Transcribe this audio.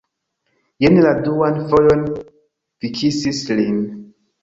Jen la duan fojon vi kisis lin